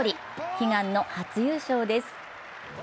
悲願の初優勝です。